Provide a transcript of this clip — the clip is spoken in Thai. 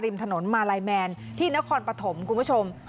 ถนนมาลัยแมนที่นครปฐมคุณผู้ชม